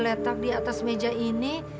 letak di atas meja ini